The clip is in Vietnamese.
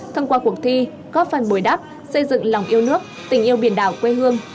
thông qua cuộc thi có phần bồi đắp xây dựng lòng yêu nước tình yêu biển đảo quê hương